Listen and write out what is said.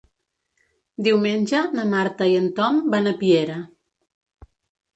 Diumenge na Marta i en Tom van a Piera.